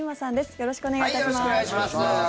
よろしくお願いします。